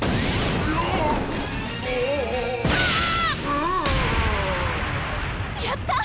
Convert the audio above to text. グやった！